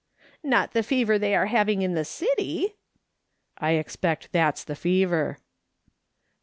" Not the fever they are having in the city \"" I expect that's the fever."